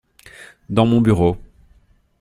Dans mon bureau.